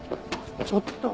ちょっと。